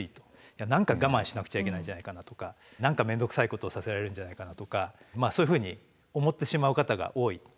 何か我慢しなくちゃいけないんじゃないかなとか何か面倒くさいことをさせられるんじゃないかなとかそういうふうに思ってしまう方が多い。